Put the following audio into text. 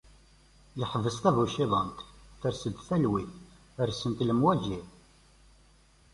Iḥbes tabuciḍant, ters-d talwit, rsent lemwaǧi.